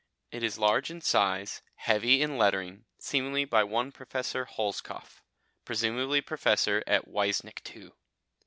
It is large in size, heavy in lettering, seemingly by one Professor Holzkopf, presumably Professor at Weissnichtwo.